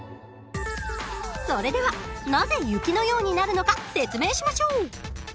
それではなぜ雪のようになるのか説明しましょう。